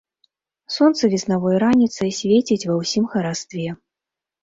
Сонца веснавой раніцы свеціць ва ўсім харастве.